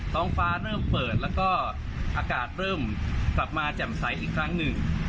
ท้องฟ้าเริ่มเปิดแล้วก็อากาศเริ่มกลับมาแจ่มใสอีกครั้งหนึ่ง